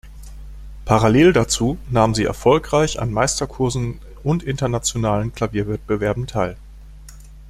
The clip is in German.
Parallel dazu nahm sie erfolgreich an Meisterkursen und internationalen Klavierwettbewerben teil.